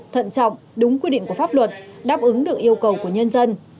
thận trọng đúng quy định của pháp luật đáp ứng được yêu cầu của nhân dân